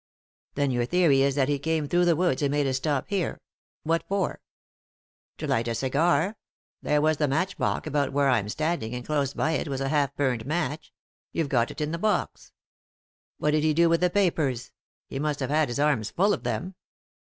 "Then your theory is that he came through the woods and made a stop here — what for ?" "To light a cigar. There was the matchbox about where I'm standing, and close by it was a half burned match. You've got it in the box." " What did he do with the papers ? He must have had his arms full of them."